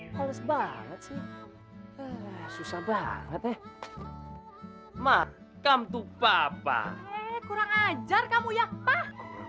harus banget sih susah banget ya makam tupak kurang ajar kamu ya pak